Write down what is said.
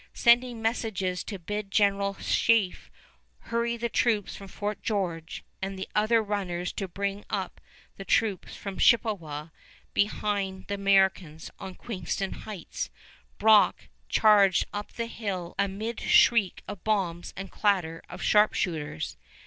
Sending messengers to bid General Sheaffe hurry the troops from Fort George, and other runners to bring up the troops from Chippewa behind the Americans on Queenston Heights, Brock charged up the hill amid shriek of bombs and clatter of sharpshooters.